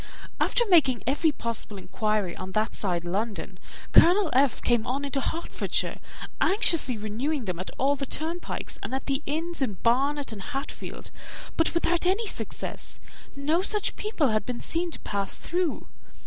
After making every possible inquiry on that side London, Colonel F. came on into Hertfordshire, anxiously renewing them at all the turnpikes, and at the inns in Barnet and Hatfield, but without any success, no such people had been seen to pass through.